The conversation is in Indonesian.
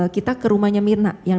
kita ke rumahnya mirna yang